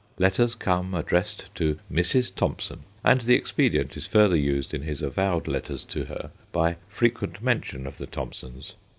Letters come addressed to 'Mrs. Thomson/ and the expedient is further used in his avowed letters to her by frequent mention of the Thomsons.